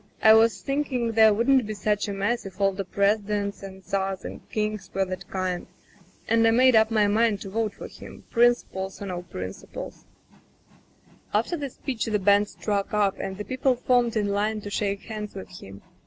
I was thinking there wouldn't be such a mess if all the presidents and czars and kings were that kind, and I made up my mind to vote for him, principles or no principles. "After the speech the band struck up, and the people formed in line to shake hands with him.